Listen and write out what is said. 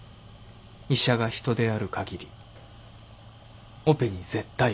医者が人であるかぎりオペに「絶対」はない。